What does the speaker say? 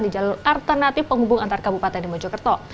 di jalur alternatif penghubung antar kabupaten di mojokerto